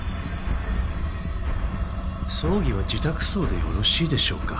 葬儀は自宅葬でよろしいでしょうか？